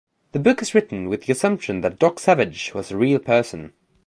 The book is written with the assumption that Doc Savage was a real person.